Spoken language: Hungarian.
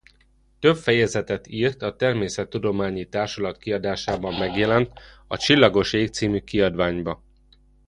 Több fejezetet írt a Természettudományi Társulat kiadásában megjelent A csillagos ég c. kiadványban.